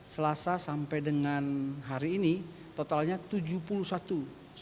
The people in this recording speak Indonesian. selasa sampai dengan hari ini totalnya tujuh puluh satu